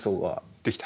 できた。